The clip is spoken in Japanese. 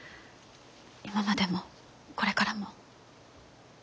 今までもこれからも。